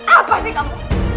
apa sih kamu